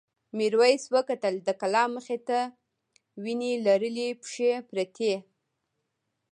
میرويس وکتل د کلا مخې ته وینې لړلې پښې پرتې.